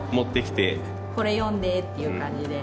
「これ読んで」っていう感じで。